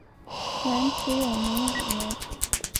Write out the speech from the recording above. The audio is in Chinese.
南齐永明五年。